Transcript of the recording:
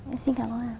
em xin cảm ơn thầy